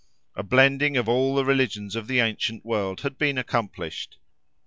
A blending of all the religions of the ancient world had been accomplished.